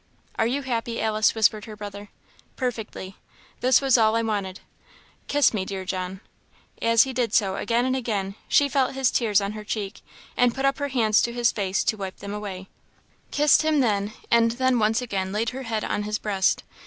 "Are you happy, Alice?" whispered her brother. "Perfectly. This was all I wanted. Kiss me, dear John!" As he did so again and again, she felt his tears on her cheek, and put up her hands to his face to wipe them away; kissed him then, and then once again laid her head on his breast.